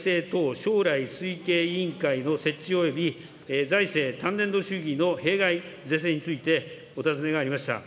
将来推計委員会の設置および財政単年度主義の弊害是正についてお尋ねがありました。